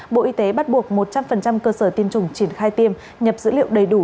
bộ y tế bắt buộc một trăm linh cơ sở tiêm chủng triển khai tiêm nhập dữ liệu đầy đủ